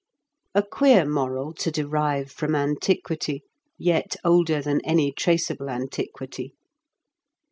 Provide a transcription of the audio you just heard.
A queer moral to derive from antiquity, yet older than any traceable antiquity.